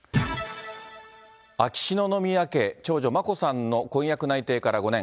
秋篠宮家長女、眞子さんの婚約内定から５年。